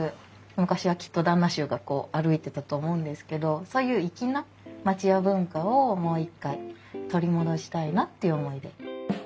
昔はきっと旦那衆が歩いてたと思うんですけどそういう粋な町家文化をもう一回取り戻したいなっていう思いで。